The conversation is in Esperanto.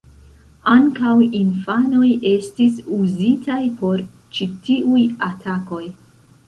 Ankaŭ infanoj estis uzitaj por ĉi tiuj atakoj.